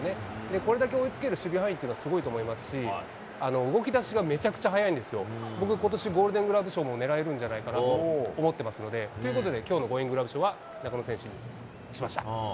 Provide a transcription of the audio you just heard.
これだけ追いつける守備範囲というのはすごいと思いますし、動きだしがめちゃくちゃ早いんですよ、僕ことし、ゴールデングラブ賞も狙えるんじゃないかなと思ってますので、ということできょうのゴーインググラブ賞は中野選手にしました。